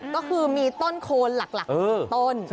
ก็คือมีต้นโคนหลัก๑๐ต้น